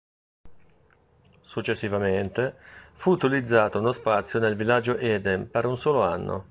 Successivamente, fu utilizzato uno spazio nel Villaggio Eden, per un solo anno.